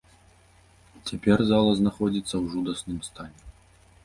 Цяпер зала знаходзіцца ў жудасным стане.